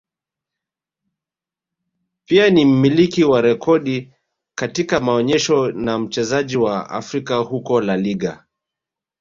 pia ni mmiliki wa rekodi katika maonyesho na mchezaji wa Afrika huko La Liga